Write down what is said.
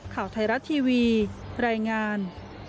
ข่าวไทยรัฐทีวีรายงาน